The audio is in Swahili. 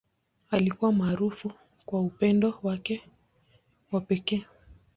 Alikuwa maarufu kwa upendo wake wa pekee.